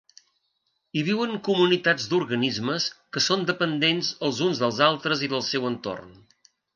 Hi viuen comunitats d'organismes que són dependents els uns dels altres i del seu entorn.